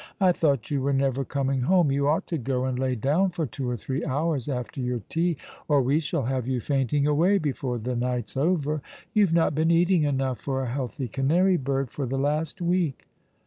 "I thought you were never coming home. You ouglit to go and lay down for two or three hours after your tea, or we shall have you fainting away before the night's over. You've not been eating enough for a healthy canary bird for the last week."